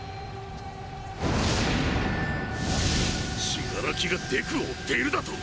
死柄木がデクを追っているだと！？